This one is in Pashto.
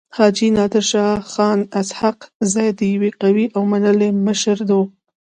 حاجي نادر شاه خان اسحق زی يو قوي او منلی مشر وو.